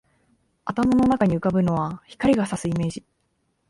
頭の中に浮ぶのは、光が射すイメージ